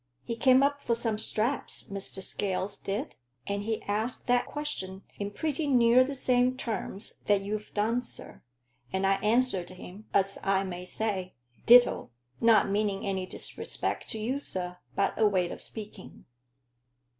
He came up for some straps, Mr. Scales did, and he asked that question in pretty near the same terms that you've done, sir, and I answered him, as I may say, ditto. Not meaning any disrespect to you, sir, but a way of speaking."